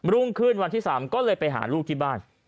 รุ่งขึ้นวันที่๓ก็เลยไปหาลูกที่บ้าน